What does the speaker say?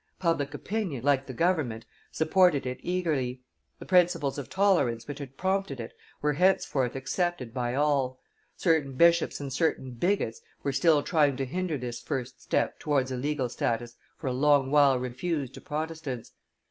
Public opinion, like the government, supported it eagerly; the principles of tolerance which had prompted it were henceforth accepted by all; certain bishops and certain bigots were still trying to hinder this first step towards a legal status for a long while refused to Protestants.